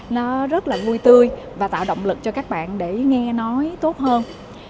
nó rất là vui tươi và tạo động lực cho các bạn để nghe nói tốt hơn